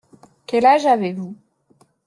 Quel âge avez-vous.